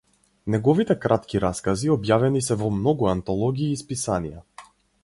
Неговите кратки раскази објавени се во многу антологии и списанија.